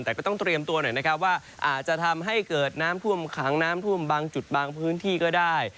แต่ก็ต้องเตรียมตัวหน่อยนะครับว่าอาจจะทำให้เกิดน้ำท่วมขังน้ำท่วมบางจุดบางพื้นที่ก็ได้